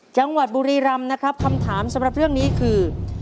จังหวัดบุรีรำนะครับคำถามสำหรับเรื่องนี้คือ